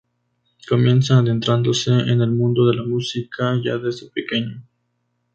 Comienza adentrándose en el mundo de la música ya desde pequeño.